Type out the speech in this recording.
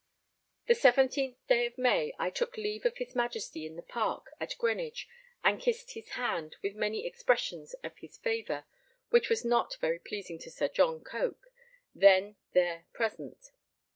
The 17th day of May I took leave of his Majesty in the park at Greenwich and kissed his hand, with many expressions of his favour, which was not very pleasing to Sir John Coke, then there present.